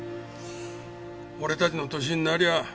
俺たちの年になりゃあ